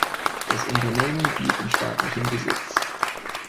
Das Unternehmen blieb in staatlichem Besitz.